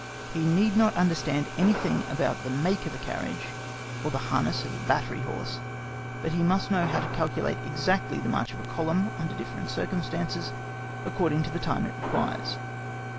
He need not understand anything about the make of a carriage, or the harness of a battery horse, but he must know how to calculate exactly the march of a column, under different circumstances, according to the time it requires.